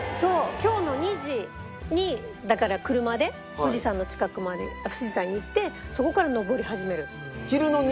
今日の２時にだから車で富士山の近くまで富士山に行ってそこから登り始める。